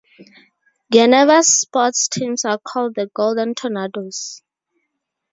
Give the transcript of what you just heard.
Geneva's sports teams are called the Golden Tornadoes.